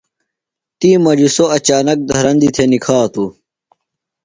تی مجیۡ سوۡ اچانک دھرندیۡ تھےۡ نِکھاتوۡ۔